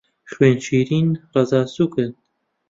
خوێن شیرن، ڕەزا سووکن